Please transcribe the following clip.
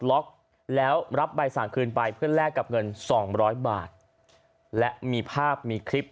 ล็อกแล้วรับใบสั่งคืนไปเพื่อแลกกับเงินสองร้อยบาทและมีภาพมีคลิป